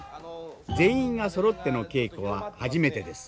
全員がそろっての稽古は初めてです。